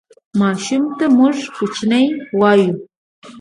ماشوم ته موږ کوچنی وایو